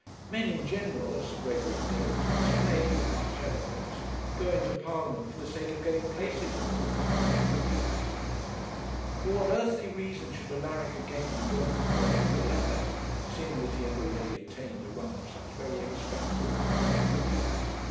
Men in general, as Sir Gregory endeavoured to explain with much eloquence, go into Parliament for the sake of getting places of £1,200 a year. For what earthly reason should Alaric again be going to the bottom of the ladder, seeing that he had already attained a rung of such very respectable altitude?